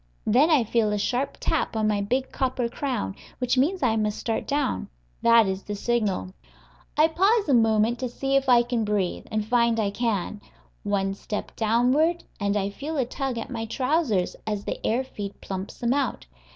Then I feel a sharp tap on my big copper crown, which means I must start down. That is the signal. I pause a moment to see if I can breathe, and find I can. One step downward, and I feel a tug at my trousers as the air feed plumps them out.